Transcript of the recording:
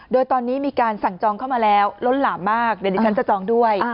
โดยตอนนี้มีการสั่งจองเข้ามาแล้วล้นหลามมากเดี๋ยวดิฉันจะจองด้วย